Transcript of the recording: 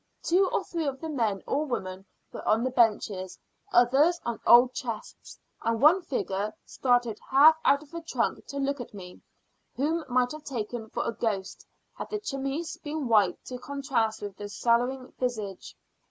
Two or three of the men or women were on the benches, others on old chests; and one figure started half out of a trunk to look at me, whom might have taken for a ghost, had the chemise been white, to contrast with the sallow visage.